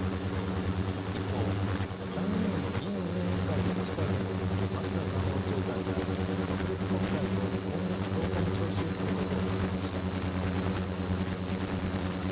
一方、参議院議院運営委員会の理事会でも松野官房長官が特別国会を今月１０日に召集することを伝えました。